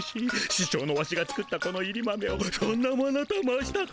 ししょうのワシが作ったこのいり豆をそんなものと申したか。